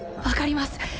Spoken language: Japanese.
分かります！